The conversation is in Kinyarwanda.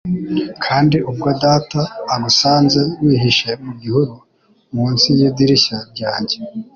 Kandi ubwo data agusanze wihishe mu gihuru munsi yidirishya ryanjye?